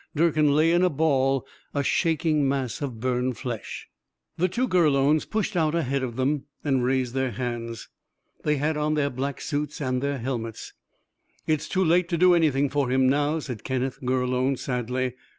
Durkin lay in a ball, a shaking mass of burned flesh. The two Gurlones pushed out ahead of them, and raised their hands. They had on their black suits and their helmets. "It is too late to do anything for him now," said Kenneth Gurlone sadly.